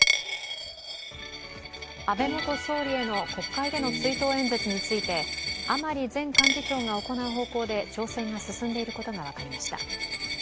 安倍元総理への、国会での追悼演説について甘利前幹事長が行う方向で調整が進んでいることが分かりました。